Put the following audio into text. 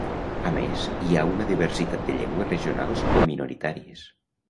A més hi ha una diversitat de llengües regionals o minoritàries.